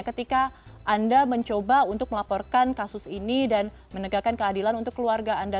ketika anda mencoba untuk melaporkan kasus ini dan menegakkan keadilan untuk keluarga anda